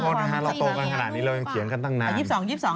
โทษนะฮะเราโตกันขนาดนี้เรายังเถียงกันตั้งนาน